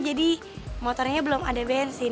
jadi motornya belum ada bensin